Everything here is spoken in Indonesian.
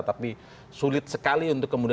tapi sulit sekali untuk kemudian